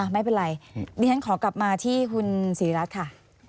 ไม่เป็นไรดิฉันขอกลับมาที่คุณศรีรัตน์ค่ะ